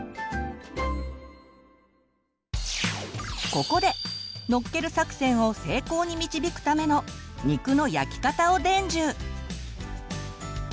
ここでのっける作戦を成功に導くための肉の焼き方を伝授。